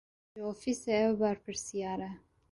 Ji ofîsê ew berpirsiyar e.